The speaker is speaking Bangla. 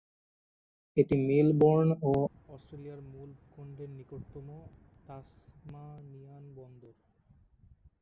এটি মেলবোর্ন এবং অস্ট্রেলিয়ার মূল ভূখণ্ডের নিকটতম তাসমানিয়ান বন্দর।